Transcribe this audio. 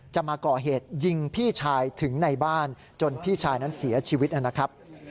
มาก่อเหตุยิงพี่ชายถึงในบ้านจนพี่ชายนั้นเสียชีวิตนะครับ